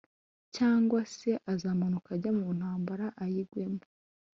cyangwa se azamanuka ajya mu ntambara ayigwemo.